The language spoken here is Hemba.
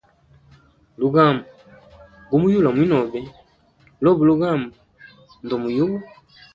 Lugambo gumuyuwa lwa mwinobe lobe lugambo ndomuyuwa.